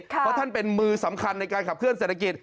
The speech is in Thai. เพราะท่านเป็นมือสำคัญในการขับเคลื่อเศรษฐกิจ